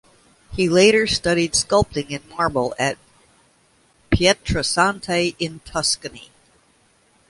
He later studied sculpting in marble at Pietrasanta in Tuscany.